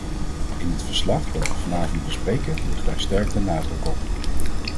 In het verslag dat we vanavond bespreken ligt daar sterk de nadruk op.